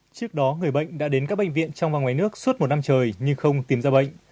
trước đó người bệnh đã đến các bệnh viện trong và ngoài nước suốt một năm trời nhưng không tìm ra bệnh